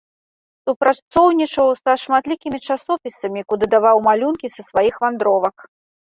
Супрацоўнічаў са шматлікімі часопісамі, куды даваў малюнкі са сваіх вандровак.